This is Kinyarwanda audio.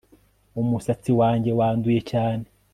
Umusatsi wanjye wanduye cyane